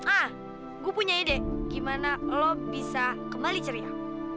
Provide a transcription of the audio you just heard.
ah gue punya ide gimana lo bisa kembali ceria